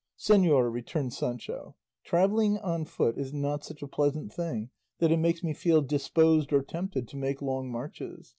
"Señor," returned Sancho, "travelling on foot is not such a pleasant thing that it makes me feel disposed or tempted to make long marches.